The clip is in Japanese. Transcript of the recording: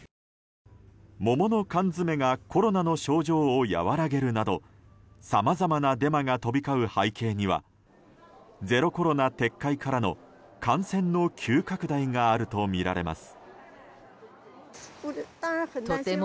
桃の缶詰がコロナの症状を和らげるなどさまざまなデマが飛び交う背景にはゼロコロナ撤回からの、感染の急拡大があるとみられます。